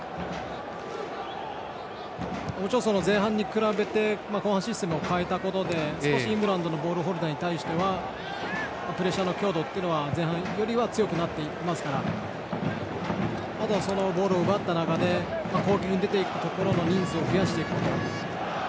もちろん前半と比べて後半はシステムを変えて少しイングランドのボールホルダーに対してはプレッシャーの強度は前半よりは強くなっていますからあとは、ボールを奪った中で攻撃に出て行く人数を増やしていくこと。